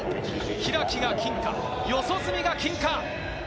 開が金か、四十住が金か。